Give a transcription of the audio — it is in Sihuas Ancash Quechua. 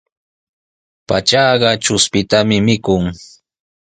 Patrkaqa chushpitami mikun.